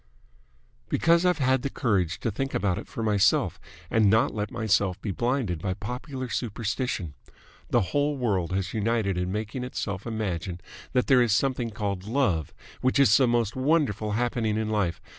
"Because I've had the courage to think about it for myself, and not let myself be blinded by popular superstition. The whole world has united in making itself imagine that there is something called love which is the most wonderful happening in life.